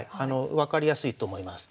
分かりやすいと思います。